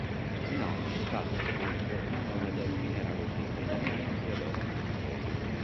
Il nome è stato attribuito in onore del mineralogista italiano Teodoro Monticelli.